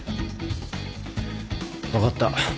分かった